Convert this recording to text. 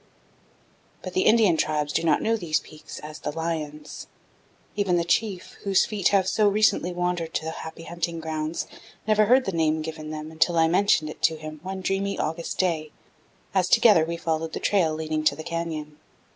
But the Indian tribes do not know these peaks as "The Lions." Even the chief, whose feet have so recently wandered to the Happy Hunting Grounds, never heard the name given them until I mentioned it to him one dreamy August day, as together we followed the trail leading to the canyon.